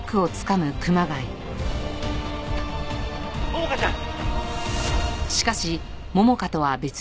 桃香ちゃん！